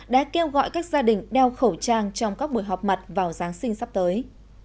đã kêu gọi các gia đình đeo khẩu trang trong các buổi họp mặt vào giáng sinh sắp tới